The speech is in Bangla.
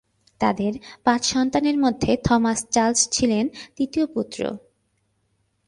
তাঁদের পাঁচ সন্তানের মধ্যে থমাস চার্লস ছিলেন তৃতীয় পুত্র।